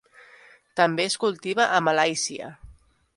També es cultiva a Malàisia.